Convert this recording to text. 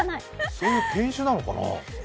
そういう犬種なのかな？